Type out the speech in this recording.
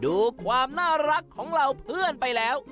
ดูความน่ารักของเหล่าเพื่อนไปแล้ว